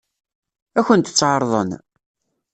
Ad kent-tt-ɛeṛḍen?